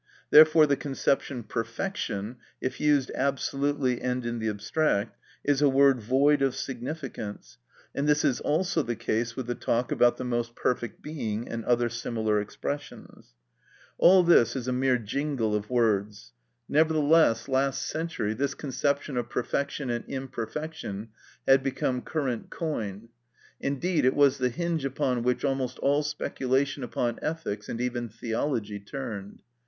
Therefore the conception "perfection," if used absolutely and in the abstract, is a word void of significance, and this is also the case with the talk about the "most perfect being," and other similar expressions. All this is a mere jingle of words. Nevertheless last century this conception of perfection and imperfection had become current coin; indeed it was the hinge upon which almost all speculation upon ethics, and even theology, turned.